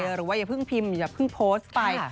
อย่าเพิ่งพิมพ์อย่าเพิ่งโพสต์ไป